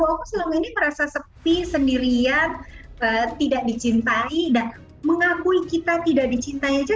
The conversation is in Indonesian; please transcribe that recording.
aku selama ini merasa sepi sendirian tidak dicintai dan mengakui kita tidak dicintai aja